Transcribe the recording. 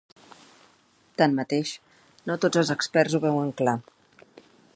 Tanmateix, no tots els experts ho veuen clar.